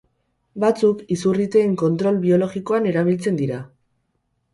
Batzuk izurriteen kontrol biologikoan erabiltzen dira.